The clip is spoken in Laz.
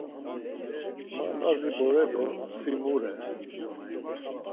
Ma Lazi bore do si mu re?